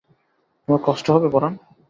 তোমার কষ্ট হবে পরাণ?